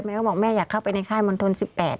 เขาบอกแม่อยากเข้าไปในค่ายมณฑล๑๘